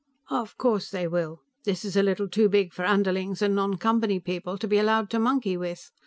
"Of course they will. This is a little too big for underlings and non Company people to be allowed to monkey with.